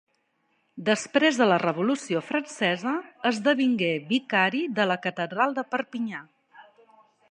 Després de la Revolució francesa esdevingué vicari de la catedral de Perpinyà.